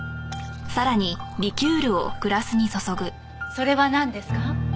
それはなんですか？